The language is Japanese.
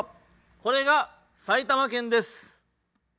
これが埼玉県です。